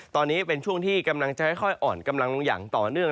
ตอนนี้เป็นช่วงที่กำลังจะค่อยอ่อนกำลังลงอย่างต่อเนื่อง